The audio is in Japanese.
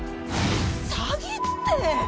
詐欺って！